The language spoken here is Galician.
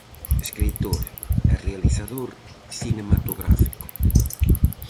Escritor e realizador cinematográfico.